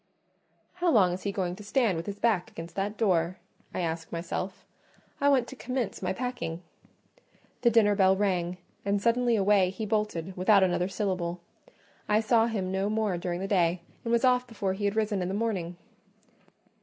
'" "How long is he going to stand with his back against that door?" I asked myself; "I want to commence my packing." The dinner bell rang, and suddenly away he bolted, without another syllable: I saw him no more during the day, and was off before he had risen in the morning.